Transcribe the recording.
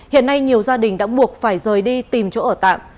hiện nay nhiều gia đình đã buộc phải rời đi tìm chỗ ở tạm